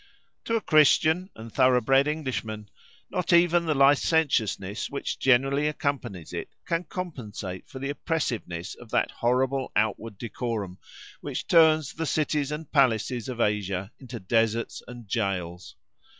To a Christian, and thoroughbred Englishman, not even the licentiousness which generally accompanies it can compensate for the oppressiveness of that horrible outward decorum, which turns the cities and the palaces of Asia into deserts and gaols.